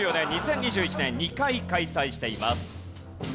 １９６４年２０２１年２回開催しています。